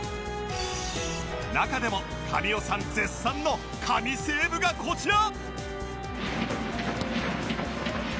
中でも神尾さん絶賛の神セーブがこちら！